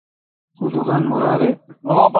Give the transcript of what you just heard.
اوں دکان مراد اے°